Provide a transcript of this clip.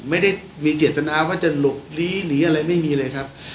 ไม่ได้มีเจตนาว่าจะหลบลีหนีอะไรไม่มีเลยครับ